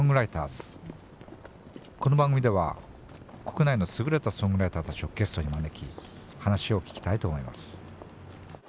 この番組では国内の優れたソングライターたちをゲストに招き話を聞きたいと思います。